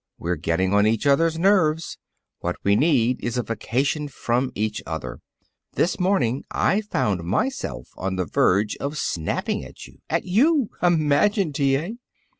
"We're getting on each other's nerves. What we need is a vacation from each other. This morning I found myself on the verge of snapping at you. At you! Imagine, T. A.!"